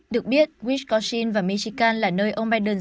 được biết wisconsin và michigan là nơi ông biden